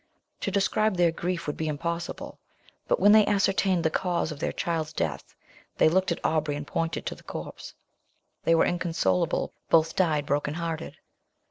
To describe their grief would be impossible; but when they ascertained the cause of their child's death, they looked at Aubrey, and pointed to the corse. They were inconsolable; both died broken hearted.